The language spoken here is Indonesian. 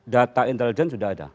data intelijen sudah ada